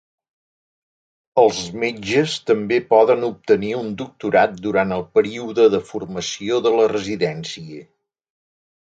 Els metges també poden obtenir un doctorat durant el període de formació de la residència.